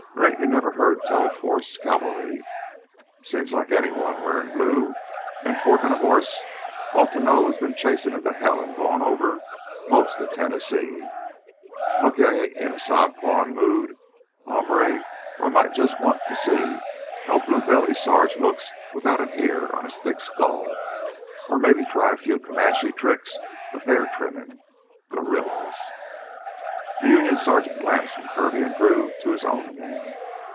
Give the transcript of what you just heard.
Or ain't you never heard tell of Forrest's Cavalry? Seems like anyone wearin' blue an' forkin' a hoss ought to know who's been chasin' him to Hell an' gone over most of Tennessee. Lucky I ain't in a sod pawin' mood, hombre, or I might jus' want to see how a blue belly sarge looks without an ear on his thick skull, or maybe try a few Comanche tricks of hair trimmin'! Guerrillas !" The Union sergeant glanced from Kirby and Drew to his own men.